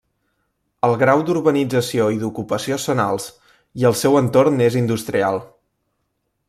El grau d'urbanització i d'ocupació són alts i el seu entorn és industrial.